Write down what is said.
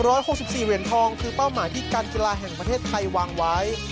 ๑๖๔เวียนทองคือเป้าหมายที่การกีฬาแห่งประเทศไทยวางไว้